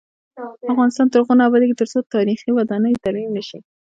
افغانستان تر هغو نه ابادیږي، ترڅو تاریخي ودانۍ ترمیم نشي.